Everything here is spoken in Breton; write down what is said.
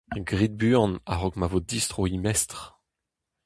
Grit buan a-raok ma vo distro he mestr.